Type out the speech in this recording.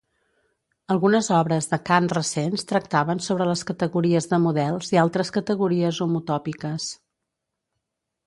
Algunes obres de Kan recents tractaven sobre les categories de models i altres categories homotòpiques.